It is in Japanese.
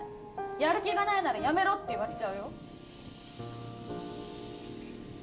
やる気がないなら辞めろって言われちゃうよ